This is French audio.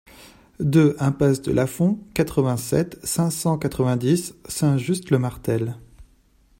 deux impasse de Lasfond, quatre-vingt-sept, cinq cent quatre-vingt-dix, Saint-Just-le-Martel